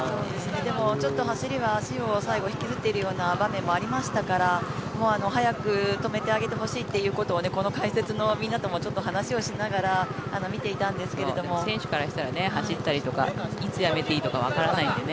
でも、ちょっと走りは足を最後、引きずっているような場面もありましたから早く止めてあげてほしいということもこの解説のみんなとも話をしながら選手からしたら走っていいとかいつやめていいとかわからないのでね。